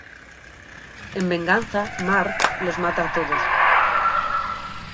En venganza, Marv los mata a todos.